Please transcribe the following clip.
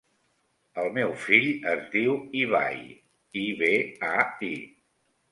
El meu fill es diu Ibai: i, be, a, i.